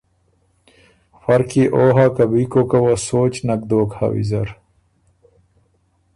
فرق يې او هۀ که بی کوکه وه سوچ نک دوک هۀ ویزر